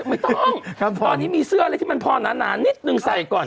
ไม่ต้องตอนนี้มีเสื้ออะไรที่มันพอหนานิดนึงใส่ก่อน